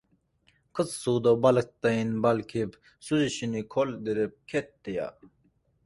— Qiz suvda baliqdayin balqib suzishini qoldirib ketdi-ya!